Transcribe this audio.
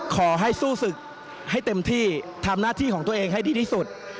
ขอให้สู้ศึกให้เต็มที่ทำหน้าที่ของตัวเองให้ดีที่สุด